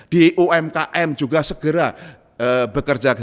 di umkm juga segera bekerja